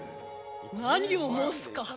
何を申すか。